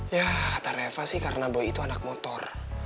ya kata reva sih karena boy itu anak motor